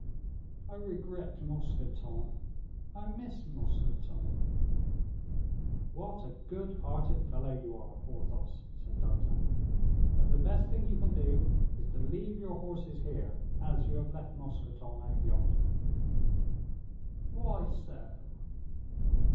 "I regret Mousqueton; I miss Mousqueton." "What a good hearted fellow you are, Porthos," said D'Artagnan; "but the best thing you can do is to leave your horses here, as you have left Mousqueton out yonder." "Why so?"